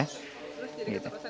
terus jadi kecepasan gitu